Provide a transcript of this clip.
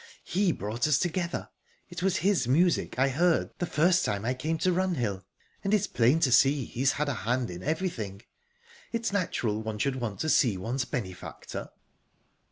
"He brought us together. It was his music I heard the first time I came to Runhill, and it's plain to see he's had a hand in everything. It's natural one should want to see one's benefactor."